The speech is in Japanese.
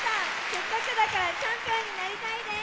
せっかくだからチャンピオンになりたいです。